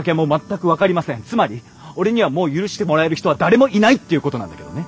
つまり俺にはもう許してもらえる人は誰もいないっていうことなんだけどね。